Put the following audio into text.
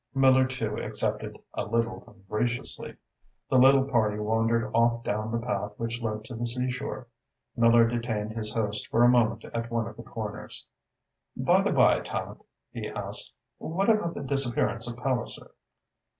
Miller too accepted, a little ungraciously. The little party wandered off down the path which led to the seashore. Miller detained his host for a moment at one of the corners. "By the by, Tallente," he asked, "what about the disappearance of Palliser?"